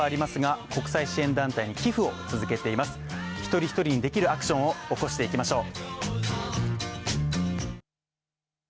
１人１人にできるアクションを起こしていきましょう。